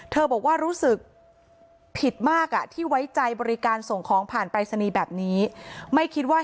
บอกว่ารู้สึกผิดมากอ่ะที่ไว้ใจบริการส่งของผ่านปรายศนีย์แบบนี้ไม่คิดว่า